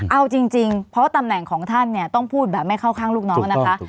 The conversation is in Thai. เอาจริงเพราะตำแหน่งของท่านเนี่ยต้องพูดแบบไม่เข้าข้างลูกน้องนะคะ